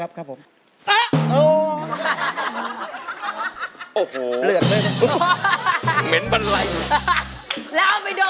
เฮ้ยเม็ด